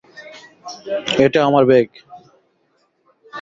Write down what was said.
এটা আমার ব্যাগ!